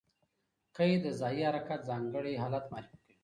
قید د ځایي حرکت ځانګړی حالت معرفي کوي.